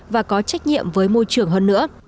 và có trách nhiệm với môi trường hơn nữa